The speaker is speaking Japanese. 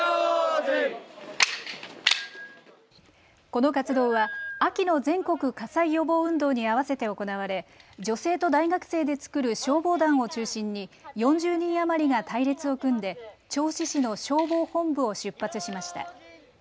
この活動は秋の全国火災予防運動に合わせて行われ女性と大学生で作る消防団を中心に４０人余りが隊列を組んで銚子市の消防本部を出発しました。